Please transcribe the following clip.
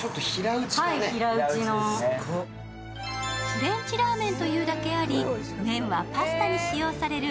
フレンチラーメンというだけあり、麺はパスタに使用される